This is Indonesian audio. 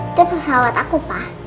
itu pesawat aku pak